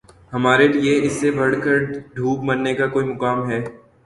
ہمارے لیے اس سے بڑھ کر دوب مرنے کا کوئی مقام ہے